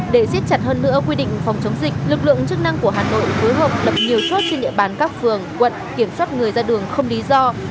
để xiết chặt hơn nữa quy định phòng chống dịch lực lượng chức năng của hà nội phối hợp lập nhiều chốt trên địa bàn các phường quận kiểm soát người ra đường không lý do